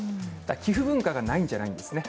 寄付文化がないんじゃないんですね。